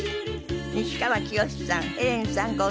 西川きよしさんヘレンさんご夫妻です。